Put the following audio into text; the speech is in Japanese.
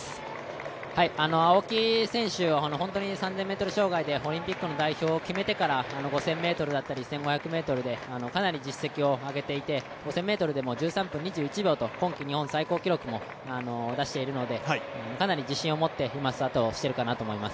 青木選手は３０００ｍ障害で東京オリンピックの代表を決めてから５０００ｍだったり１５００ｍでかなり実績を上げていて、５０００ｍでも１３分２１秒と今季日本最高記録を出しているので、かなり自信を持ってスタートしているかと思います。